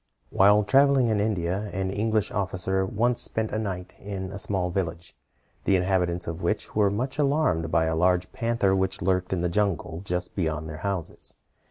While travelling in India, an English officer once spent a night in a small village, the inhabitants of which were much alarmed by a large panther which lurked in the jungle just beyond their houses.